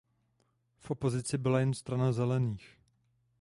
V opozici byla jen Strana zelených.